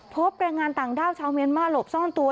พบเปลี่ยงงานต่างด้าวชาวเมียนมาลบซ่อนตัว